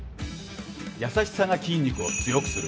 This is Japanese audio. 優しさが筋肉を強くする！